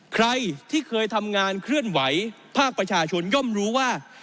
ใครที่เคยทำงานเคลื่อนไหวภาคประชาชนย่อมรู้ว่า